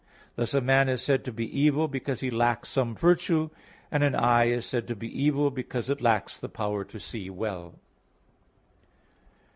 Thus a man is said to be evil, because he lacks some virtue; and an eye is said to be evil, because it lacks the power to see well.